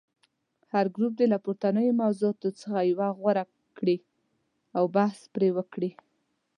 هر ګروپ دې له پورتنیو موضوعاتو څخه یوه غوره کړي او بحث پرې وکړي.